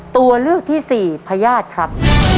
ตัวเลือกที่สี่พญาติครับ